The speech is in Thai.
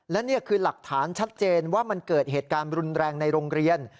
และนี่คือหลักฐานชัดเจนว่ามันเกิดเหตุการณ์รุนแรงในโรงเรียน